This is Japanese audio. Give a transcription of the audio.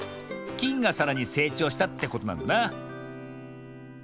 きんがさらにせいちょうしたってことなんだな。